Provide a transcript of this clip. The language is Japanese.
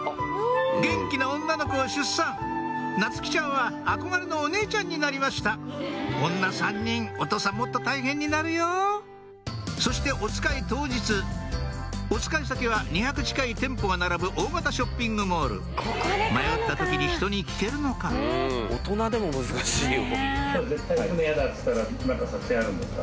元気な女の子を出産夏希ちゃんは憧れのお姉ちゃんになりました女３人お父さんもっと大変になるよそしておつかい当日おつかい先は２００近い店舗が並ぶ大型ショッピングモール迷った時にひとに聞けるのか大人でも難しいよ。